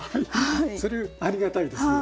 それありがたいですね。